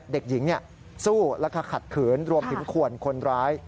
เด็กหญิงสู้แล้วก็ขัดขืนรวมถึงขวนคนร้าย